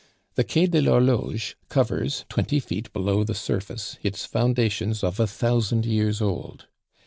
The Quai de l'Horloge covers, twenty feet below the surface, its foundations of a thousand years old.